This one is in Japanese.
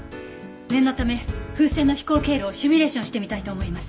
念のため風船の飛行経路をシミュレーションしてみたいと思います。